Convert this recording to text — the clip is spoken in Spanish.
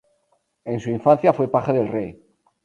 En su infancia fue paje del rey.